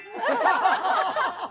アハハハハ！